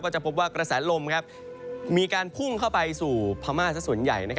จะพบว่ากระแสลมมีการพุ่งเข้าไปสู่พม่าสักส่วนใหญ่